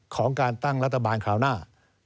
ของการตั้งรัฐบาลคราวหน้า